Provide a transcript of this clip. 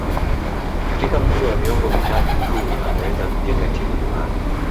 Katika muda wa miongo mitatu tu ameweza kujenga timu imara